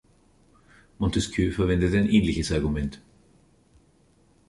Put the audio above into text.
Montesquieu verwendet ein ähnliches Argument.